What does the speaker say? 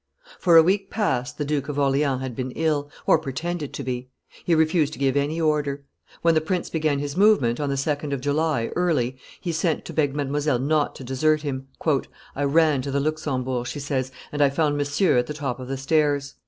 For a week past the Duke of Orleans had been ill, or pretended to be; he refused to give any order. When the prince began his movement, on the 2d of July, early, he sent to beg Mdlle. not to desert him. "I ran to the Luxembourg," she says, "and I found Monsieur at the top of the stairs.